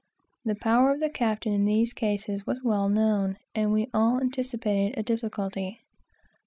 The power of the captain in these cases was well known, and we all anticipated a difficulty.